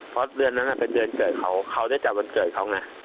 เพราะเดือนนั้นเป็นเดือนเกิดเขาเขาได้จัดวันเกิดเขาไง